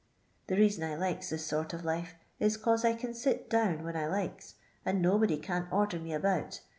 The reason Ilika (kit sort of lift is, 'cause I can sit down vhen Hikes, and nobody can't order me abotU.